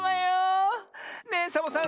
ねえサボさん